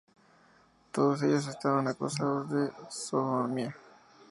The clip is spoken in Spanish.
Todos ellos estaban acusados de sodomía.